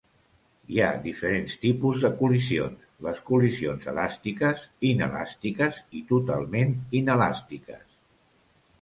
Hi ha diferents tipus de col·lisions, les col·lisions elàstiques, inelàstiques i totalment inelàstiques.